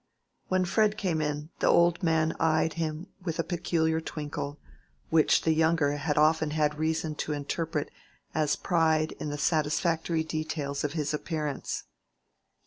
When Fred came in the old man eyed him with a peculiar twinkle, which the younger had often had reason to interpret as pride in the satisfactory details of his appearance.